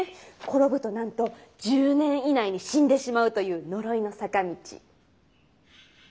転ぶとなんと１０年以内に死んでしまうという呪いの坂道。